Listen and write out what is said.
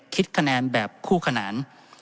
คิดคะแนนแบบคู่ขนาน